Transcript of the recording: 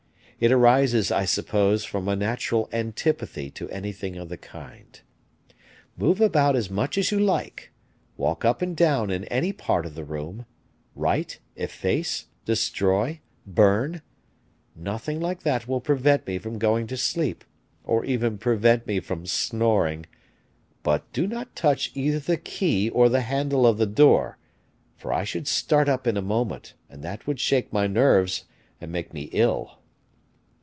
It arises, I suppose, from a natural antipathy to anything of the kind. Move about as much as you like; walk up and down in any part of the room, write, efface, destroy, burn, nothing like that will prevent me from going to sleep or even prevent me from snoring, but do not touch either the key or the handle of the door, for I should start up in a moment, and that would shake my nerves and make me ill."